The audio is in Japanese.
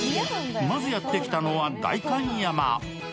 まずやってきたのは代官山。